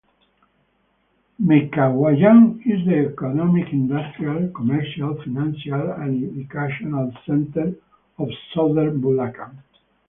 Meycauayan is the economic, industrial, commercial, financial and educational center of southern Bulacan.